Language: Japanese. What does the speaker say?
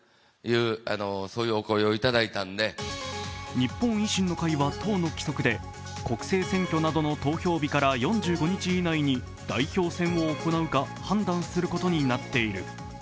日本維新の会は党の規則で国政選挙などの投票日から４５日以内に代表選を行うか判断することになっている。